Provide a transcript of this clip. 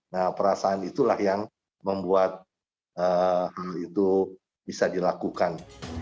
nah perasaan itulah yang membuat hal itu bisa dilakukan